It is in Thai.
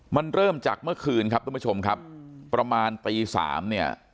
มันเริ่มจากเมื่อคืนครับทุกผู้ชมครับประมาณตีสามเนี่ย